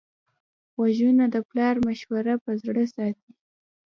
غوږونه د پلار مشورې په زړه ساتي